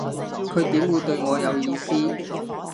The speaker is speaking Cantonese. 佢點會對我有意思